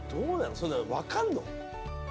そんなの分かるの？